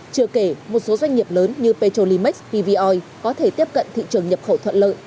chưa kể một số doanh nghiệp lớn như petrolimax pvoi có thể tiếp cận thị trường nhập khẩu thuận lợi